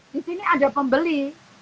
di sini ada pembeli